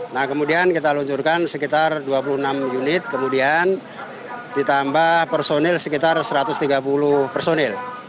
nah kemudian kita luncurkan sekitar dua puluh enam unit kemudian ditambah personil sekitar satu ratus tiga puluh personil